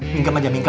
bingkem aja bingkem